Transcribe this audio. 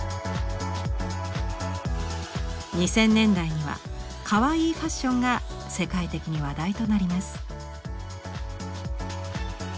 ２０００年代には「Ｋａｗａｉｉ」ファッションが世界的に話題となります。